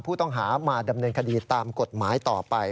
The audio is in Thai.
ผู้ต้องหามาดำเนินคดีตามกฎหมายต่อไป